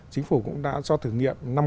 chính phủ cũng đã cho thử nghiệm